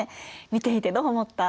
見ていてどう思った？